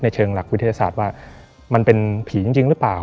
เชิงหลักวิทยาศาสตร์ว่ามันเป็นผีจริงหรือเปล่า